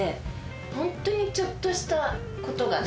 ホントにちょっとしたことがね。